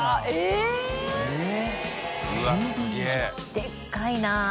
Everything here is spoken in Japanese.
でかいな。